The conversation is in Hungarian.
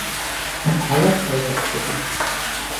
Az állat helyhez kötött.